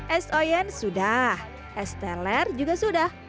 es oyen sudah es teler juga sudah